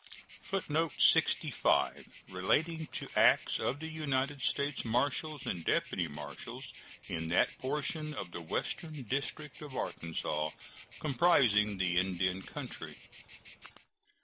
[Footnote 65: Relating to acts of United States marshals and deputy marshals in that portion of the western district of Arkansas comprising the Indian country.